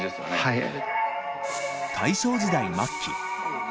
はい。